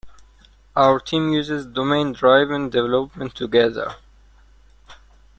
Our team uses domain driven development together.